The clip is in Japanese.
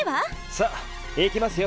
さあ行きますよ